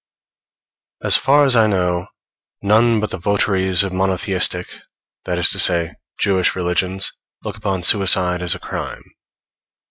As far as I know, none but the votaries of monotheistic, that is to say, Jewish religions, look upon suicide as a crime.